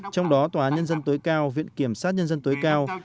trong đó tòa án nhân dân tối cao viện kiểm sát nhân dân tối cao